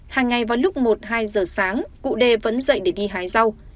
hàng ngày vào lúc một hai giờ sáng cụ đê vẫn dậy để đi hái rau